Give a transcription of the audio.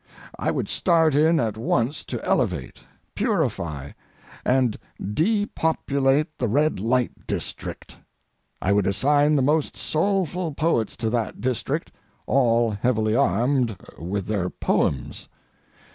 I would start in at once to elevate, purify, and depopulate the red light district. I would assign the most soulful poets to that district, all heavily armed with their poems.